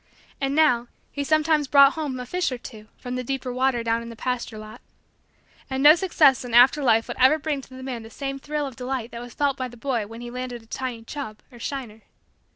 And, now, he sometimes brought home a fish or two from the deeper water down in the pasture lot; and no success in after life would ever bring to the man the same thrill of delight that was felt by the boy when he landed a tiny "chub" or "shiner."